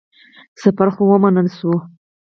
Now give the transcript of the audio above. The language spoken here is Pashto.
سفر خو ومنل شو.